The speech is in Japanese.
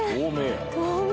透明。